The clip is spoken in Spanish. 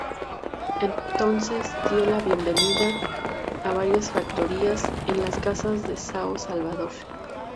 Entonces dio la bienvenida a varias factorías en las casas de São Salvador.